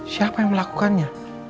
siapa yang melakukannya